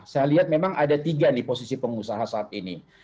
saya lihat memang ada tiga nih posisi pengusaha saat ini